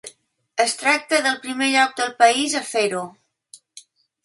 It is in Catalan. Es tracta del primer lloc del país a fer-ho.